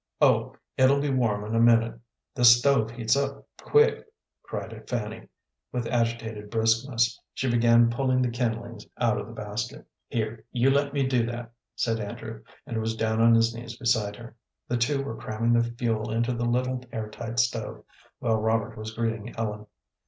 "Oh, it'll be warm in a minute; this stove heats up quick," cried Fanny, with agitated briskness. She began pulling the kindlings out of the basket. "Here, you let me do that," said Andrew, and was down on his knees beside her. The two were cramming the fuel into the little, air tight stove, while Robert was greeting Ellen.